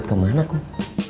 ikut kemana kum